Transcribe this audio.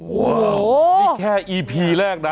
โอ้โหนี่แค่อีพีแรกนะ